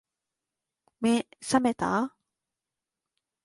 目、さめた？